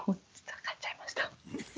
買っちゃいました。